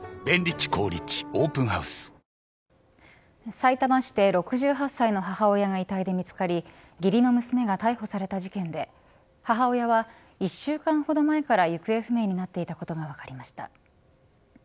さいたま市で６８歳の母親が遺体で見つかり義理の娘が逮捕された事件で母親は１週間ほど前から行方不明になっていたことが分かりました。